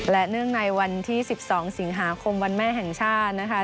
และเนื่องในวันที่๑๒สิงหาคมวันแม่แห่งชาตินะคะ